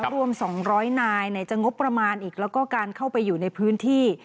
รวม๒๐๐นายไหนจะงบประมาณอีกแล้วก็การเข้าไปอยู่ในพื้นที่